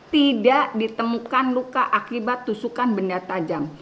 tidak ditemukan luka akibat tusukan benda tajam